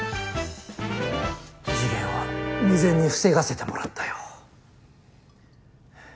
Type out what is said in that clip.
事件は未然に防がせてもらったよ。